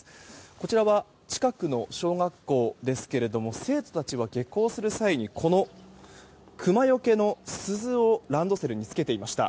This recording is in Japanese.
こちらは近くの小学校ですが生徒たちは下校する際にこのクマよけの鈴をランドセルにつけていました。